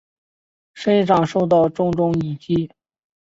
身上受到重重一击